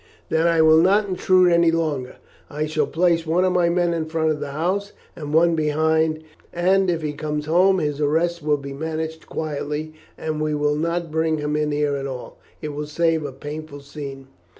"Then I will not intrude any longer. I shall place one of my men in front of the house and one behind, and if he comes home his arrest will be managed quietly, and we will not bring him in here at all. It will save a painful scene."